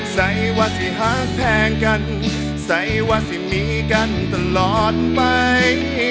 ใส่ว่าที่หาแทงกันใส่ว่าสิมีกันตลอดไป